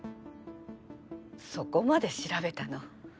そこまで調べたの？